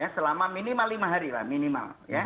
selama minimal lima hari lah minimal